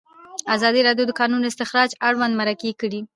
ازادي راډیو د د کانونو استخراج اړوند مرکې کړي.